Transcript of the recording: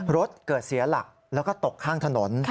รถเกิดเสียหลักแล้วก็ตกข้างถนน